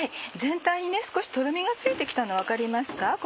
全体に少しとろみがついて来たの分かりますか？